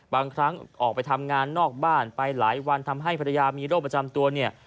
บางครั้งออกไปทำงานนอกบ้านไปหลายวันทำให้ภรรยามีโรคประจำตัวเนี่ย